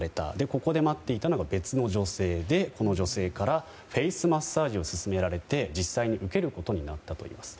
ここで待っていたのが別の女性でこの女性からフェイスマッサージを勧められて実際に受けることになったといいます。